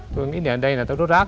tôi nghĩ là đây là đốt rác